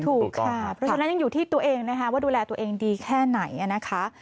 ถูกค่ะเพราะฉะนั้นยังอยู่ที่ตัวเองนะคะว่าดูแลตัวเองดีแค่ไหนนะคะ